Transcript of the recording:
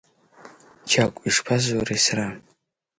Чагә, ишԥазуеи сара?